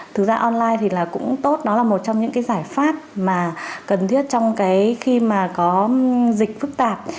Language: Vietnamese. thực ra online thì là cũng tốt nó là một trong những cái giải pháp mà cần thiết trong cái khi mà có dịch phức tạp